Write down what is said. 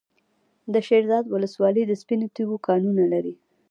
د شیرزاد ولسوالۍ د سپینو تیږو کانونه لري.